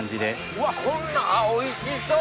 うわこんなんおいしそう！